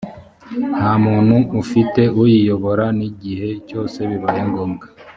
nta muntu ufite uyiyobora n’igihe cyose bibaye ngombwa